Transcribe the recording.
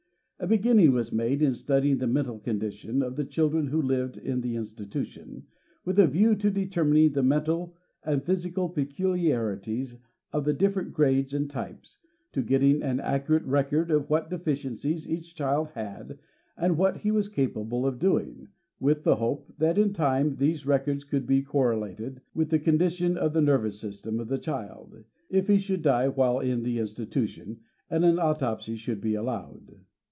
A beginning was made in studying the mental con dition of the children who lived in the Institution, with a view to determining the mental and physical pecul iarities of the different grades and types, to getting an accurate record of what deficiencies each child had and what he was capable of doing, with the hope that in time these records could be correlated with the con dition of the nervous system of the child, if he should die while in the Institution and an autopsy should be allowed.